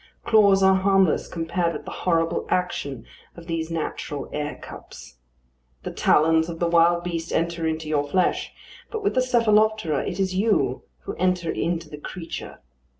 Claws are harmless compared with the horrible action of these natural air cups. The talons of the wild beast enter into your flesh; but with the cephaloptera it is you who enter into the creature.